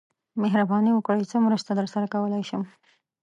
مهرباني وکړئ څه مرسته درسره کولای شم